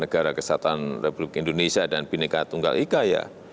negara kesehatan republik indonesia dan bhinneka tunggal ika ya